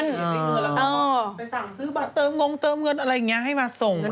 ไปสั่งซื้อบัตรเติมงงเติมเงินอะไรอย่างนี้ให้มาส่ง